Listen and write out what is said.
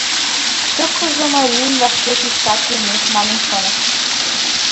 Шукыжо марийын вашке тӱсшат йомеш манын шоныш.